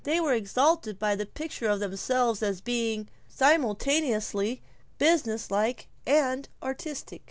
They were exalted by the picture of themselves as being simultaneously business like and artistic.